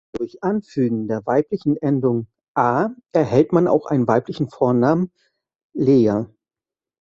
Durch Anfügen der weiblichen Endung -a erhält man auch einen weiblichen Vornamen Leia.